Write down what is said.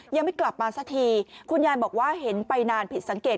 ยังไม่กลับมาสักทีคุณยายบอกว่าเห็นไปนานผิดสังเกต